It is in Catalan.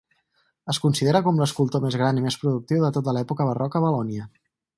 Es considera com l'escultor més gran i més productiu de tota l'època barroca a Valònia.